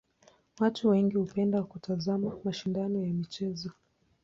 Watu wengi hupenda kutazama mashindano ya michezo.